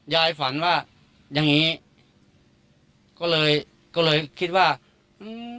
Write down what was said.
ฝันว่าอย่างงี้ก็เลยก็เลยคิดว่าอืม